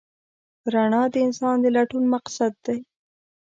رڼا د انسان د لټون مقصد دی.